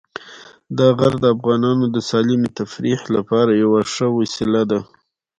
دا غر د افغانانو د سالمې تفریح لپاره یوه ښه وسیله ده.